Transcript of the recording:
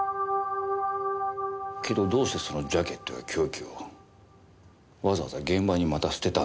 けどどうしてそのジャケットや凶器をわざわざ現場にまた捨てたんだ？